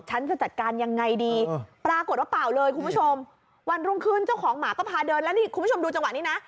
ฉันจะจัดการยังไงดีปรากฏว่าเปล่าเลยคุณผู้ชมวันรุ่งขึ้นเจ้าของหมาก็พาเดินแล้วนี่คุณผู้ชมดูจังหวะนี้นะ